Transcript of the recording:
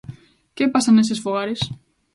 ¿Que pasa neses fogares?